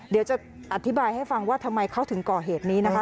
เดี๋ยวจะอธิบายให้ฟังว่าทำไมเขาถึงก่อเหตุนี้นะคะ